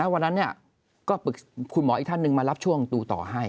วันนั้นก็ปรึกษาคุณหมออีกท่านหนึ่งมารับช่วงดูต่อให้